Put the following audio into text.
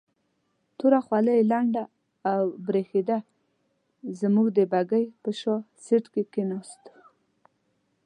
توره خولۍ یې لنده او برېښېده، موږ د بګۍ په شا سیټ کې کېناستو.